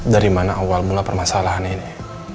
dari mana awal mula permasalahan ini